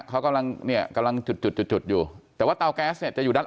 เขากำลังเนี่ยกำลังจุดจุดจุดจุดอยู่แต่ว่าเตาแก๊สเนี่ยจะอยู่ด้าน